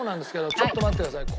ちょっと待ってくださいこれね。